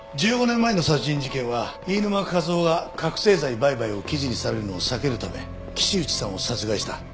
１５年前の殺人事件は飯沼和郎が覚せい剤売買を記事にされるのを避けるため岸内さんを殺害した。